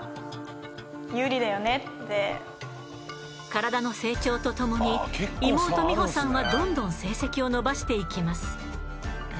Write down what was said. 体の成長とともに妹・美帆さんはどんどん成績を伸ばしていきます。